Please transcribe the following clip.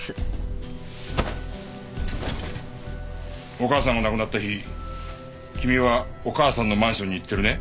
お母さんが亡くなった日君はお母さんのマンションに行ってるね？